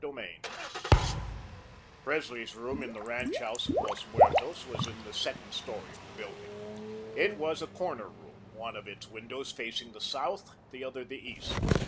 CHAPTER III Presley's room in the ranch house of Los Muertos was in the second story of the building. It was a corner room; one of its windows facing the south, the other the east.